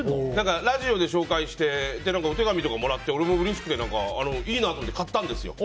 ラジオで紹介してお手紙とかをもらって俺もうれしくていいなと思って買ったんですよ。